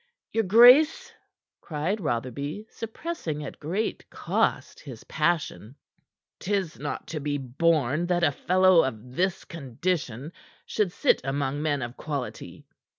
"Your grace," cried Rotherby, suppressing at great cost his passion, "'tis not to be borne that a fellow of this condition should sit among men of quality."